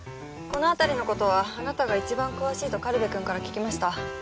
このあたりのことはあなたが一番詳しいと軽部くんから聞きました。